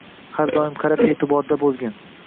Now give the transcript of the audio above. Har doim qarab, eʼtiborda boʻlgin.